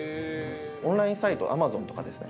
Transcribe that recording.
オンラインサイトａｍａｚｏｎとかですね